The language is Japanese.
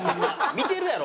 見てるやろ？